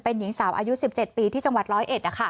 เป็นหญิงสาวอายุ๑๗ปีที่จังหวัดร้อยเอ็ด